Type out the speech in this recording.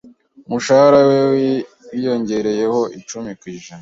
Umushahara we wiyongereyeho icumi ku ijana.